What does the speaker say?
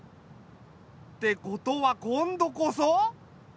ってことは今度こそ。